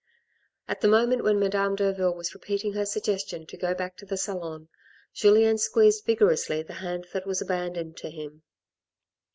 At the moment when Madame Derville was repeating her suggestion to go back to the salon, Julien squeezed vigor ously the hand that was abandoned to him.